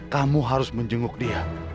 kamu harus menjenguk dia